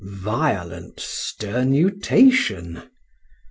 violent sternutation.